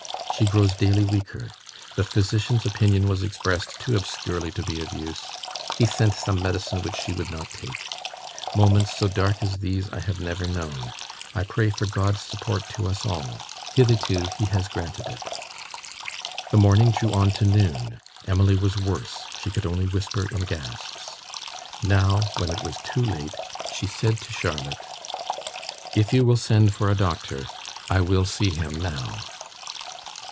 She grows daily weaker. The physician's opinion was expressed too obscurely to be of use. He sent some medicine, which she would not take. Moments so dark as these I have never known. I pray for God's support to us all. Hitherto He has granted it." The morning drew on to noon. Emily was worse: she could only whisper in gasps. Now, when it was too late, she said to Charlotte, "If you will send for a doctor, I will see him now."